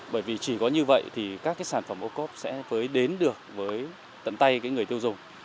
bởi vì chỉ có như vậy thì các cái sản phẩm ô cốp sẽ với đến được với tận tay người tiêu dùng